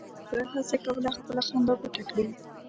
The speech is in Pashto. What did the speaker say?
هغه هڅه کوله خپله خندا پټه کړي